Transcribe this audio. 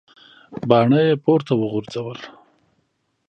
باڼه یې پورته وغورځول.